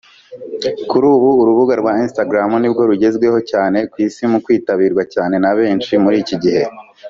Kuri ubu urubuga rwa Instagram nibwo rugezweho cyane ku isi mu kwitabirwa cyane na benshi muri iki gihe